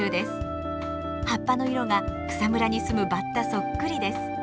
葉っぱの色が草むらに住むバッタそっくりです。